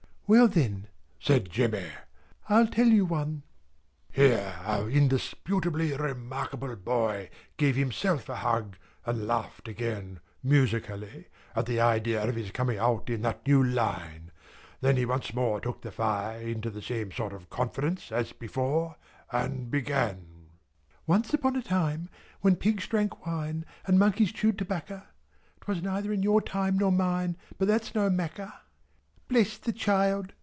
"Well, then," said Jemmy, "I'll tell you one." Here our indisputably remarkable boy gave himself a hug, and laughed again, musically, at the idea of his coming out in that new line. Then he once more took the fire into the same sort of confidence as before, and began: "Once upon a time, When pigs drank wine, And monkeys chewed tobaccer, 'Twas neither in your time nor mine, But that's no macker " "Bless the child!"